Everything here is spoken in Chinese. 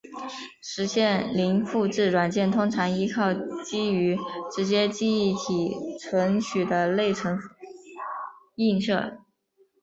实现零复制的软件通常依靠基于直接记忆体存取的内存映射。